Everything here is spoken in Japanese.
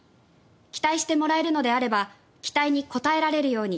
期待してもらえるのであれば期待に応えられるように。